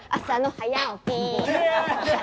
早起き。